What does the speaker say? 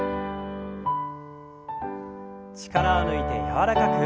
力を抜いて柔らかく。